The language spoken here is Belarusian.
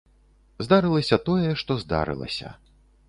Здарылася тое, што здарылася.